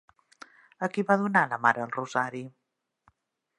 A qui va donar la mare el rosari?